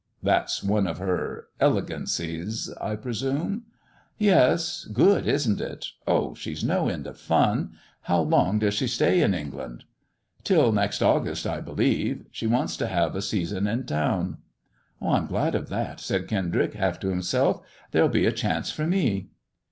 " That's one of her elegancies, I presume." " Yes. Good, isn't it ] Oh ! she's no end of fun ! How long does she stay in England ]"" Till next August, I believe. She wants to have a season in town." "I'm glad of that," said Kendrick, half to himself; there'll be a chance for me."